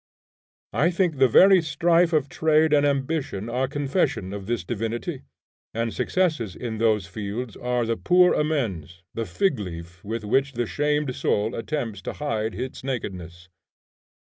I think the very strife of trade and ambition are confession of this divinity; and successes in those fields are the poor amends, the fig leaf with which the shamed soul attempts to hide its nakedness.